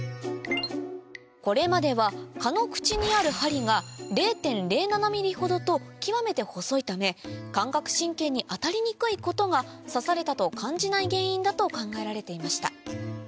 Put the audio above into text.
これまでは蚊の口にある針が０．０７ミリほどと極めて細いため感覚神経に当たりにくいことが刺されたと感じない原因だと考えられていました